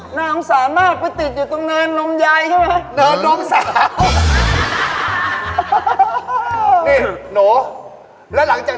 หนูสามารถไปติดอยู่ตรงนานนมยายใช่ไหม